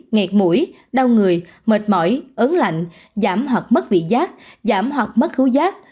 nghẹt mũi đau người mệt mỏi ớn lạnh giảm hoặc mất vị giác giảm hoặc mất khú giác